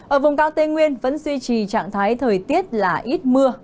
ở vùng cao tây nguyên vẫn duy trì trạng thái thời tiết là ít mưa